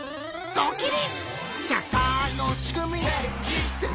ドキリ！